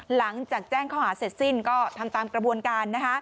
หลังจากแจ้งข้อหาเสร็จสิ้นก็ทำตามกระบวนการ